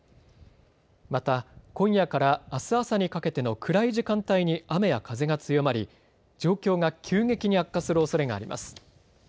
また今夜からあす朝にかけての暗い時間帯に雨や風が強まり状況が急激に悪化するおそれがあります。